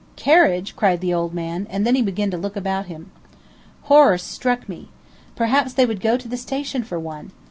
"Carriage!" cried the old man, and then he began to look about him. Horror struck me. Perhaps they would go to the station for one!